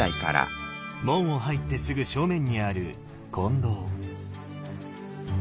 門を入ってすぐ正面にある金堂。